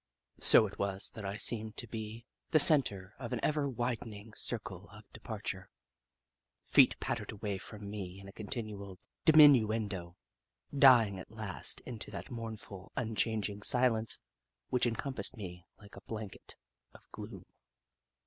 So it was that I seemed to be the centre of an ever widening circle of departure. Feet pattered away from me in a continual diminu endo, dying at last into that mournful, un changing silence which encompassed me like a blanket of gloom.